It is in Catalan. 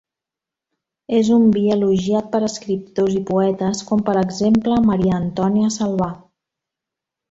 És un vi elogiat per escriptors i poetes, com per exemple Maria Antònia Salvà.